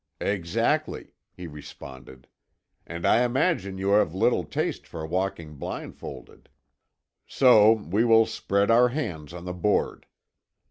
"Exactly," he responded. "And I imagine you have little taste for walking blindfolded. So we will spread our hands on the board.